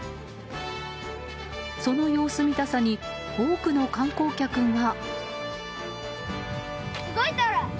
その様子見たさに多くの観光客が。